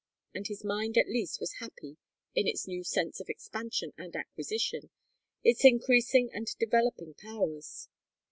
And his mind at least was happy in its new sense of expansion and acquisition, its increasing and developing powers.